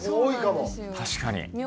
確かに。